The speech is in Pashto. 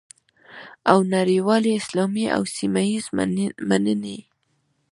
او نړیوالې، اسلامي او سیمه ییزې مننې